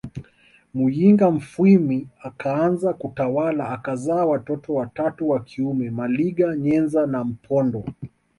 Muyinga mufwimi akaanza kutawala akazaa watoto watatu wa kiume Maliga Nyenza na Mpondwa